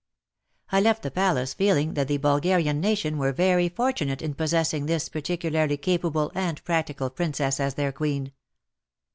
I left the Palace feeling that the Bulgarian nation were very fortunate in possessing this particularly capable and practical Princess as their Queen.